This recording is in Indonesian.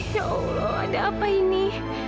insya allah ada apa ini